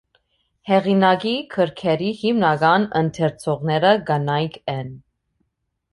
Հեղինակի գրքերի հիմնական ընթերցողները կանայք են։